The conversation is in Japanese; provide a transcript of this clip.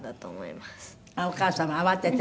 お母様慌てて。